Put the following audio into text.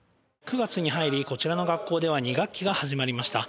９月に入り、こちらの学校では、２学期が始まりました。